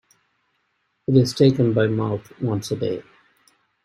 It is taken by mouth once a day.